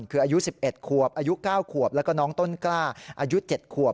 คืออายุ๑๑ขวบอายุ๙ขวบแล้วก็น้องต้นกล้าอายุ๗ขวบ